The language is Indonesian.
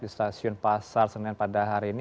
di stasiun pasar senen pada hari ini